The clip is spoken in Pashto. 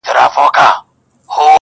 • له تودې سینې را وځي نور ساړه وي,